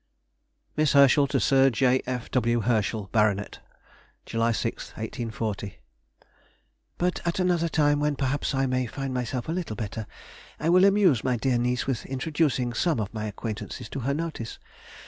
MISS HERSCHEL TO SIR J. F. W. HERSCHEL, BART. July 6, 1840. But at another time, when perhaps I may find myself a little better, I will amuse my dear niece with introducing some of my acquaintances to her notice.